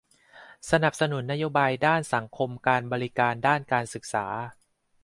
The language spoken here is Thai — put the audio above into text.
สนับสนุนนโยบายด้านสังคมการบริการด้านการศึกษา